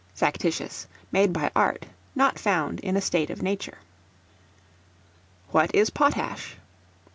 Factitious, made by art, not found in a state of nature. What is Potash?